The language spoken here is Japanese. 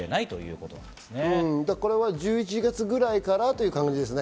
これは１１月くらいからということですね。